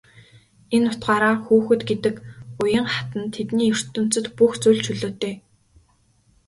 Энэ утгаараа хүүхэд гэдэг уян хатан тэдний ертөнцөд бүх зүйл чөлөөтэй.